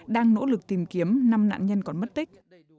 đang nỗ lực tìm kiếm năm nạn nhân còn mất tích